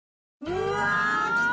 うわきた！